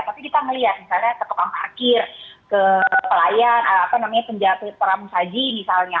tapi kita melihat misalnya ke tokong parkir ke pelayan penjaga peramu saji misalnya